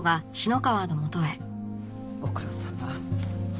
ご苦労さま。